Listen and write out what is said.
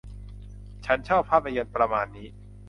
ฉันชอบภาพยนตร์ประมาณนี้